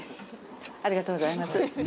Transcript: ありがとうございます。